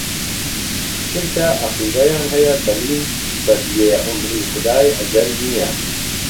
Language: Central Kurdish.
چونکه ئەقیدهیان ههیه دهلين به بيێ عومری خودای ئهجەل نییه